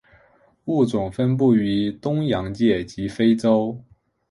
物种分布于东洋界及非洲。